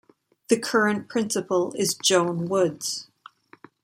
The current Principal is Joan Woods.